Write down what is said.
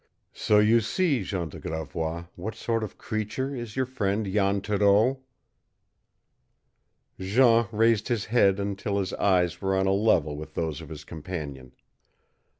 "So you see, Jean de Gravois, what sort of creature is your friend Jan Thoreau!" Jean raised his head until his eyes were on a level with those of his companion.